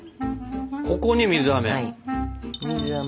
ここに水あめ。